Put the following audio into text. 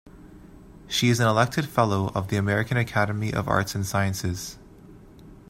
She is an elected fellow of the American Academy of Arts and Sciences.